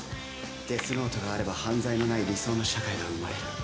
デスノートがあれば犯罪のない理想の社会が生まれる。